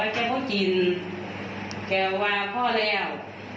เจ๊แดงว่าพ่อแล้ว